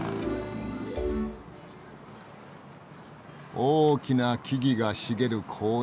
大きな木々が茂る公園。